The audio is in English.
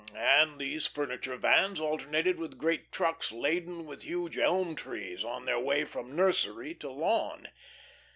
And these furniture vans alternated with great trucks laden with huge elm trees on their way from nursery to lawn.